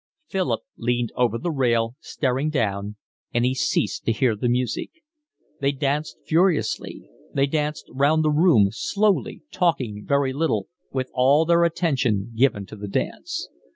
Philip leaned over the rail, staring down, and he ceased to hear the music. They danced furiously. They danced round the room, slowly, talking very little, with all their attention given to the dance.